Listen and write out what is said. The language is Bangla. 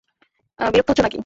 বিরক্ত হচ্ছো নাকি?